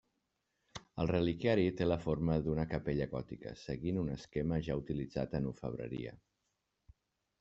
El reliquiari té la forma d'una capella gòtica, seguint un esquema ja utilitzat en orfebreria.